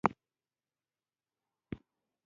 قومونه د افغان ځوانانو د هیلو او ارمانونو استازیتوب کوي.